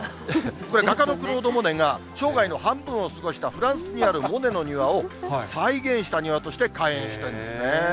これ、画家のクロード・モネが、生涯の半分を過ごしたフランスにあるモネの庭を再現した庭として開園したんですね。